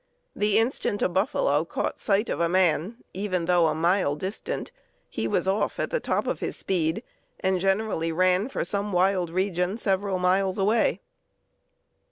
The instant a buffalo caught sight of a man, even though a mile distant, he was off at the top of his speed, and generally ran for some wild region several miles away.